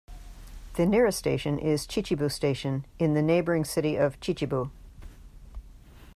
The nearest station is Chichibu Station, in the neighboring city of Chichibu.